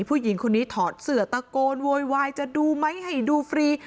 ผู้หญิงคนนี้ถอดเสือตะโกนโวยวายจะดูไหมให้ดูฟรี